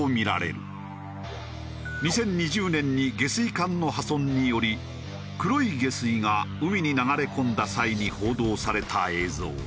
２０２０年に下水管の破損により黒い下水が海に流れ込んだ際に報道された映像。